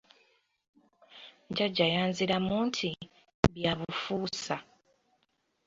Jjajja yanziramu nti, bya bufuusa.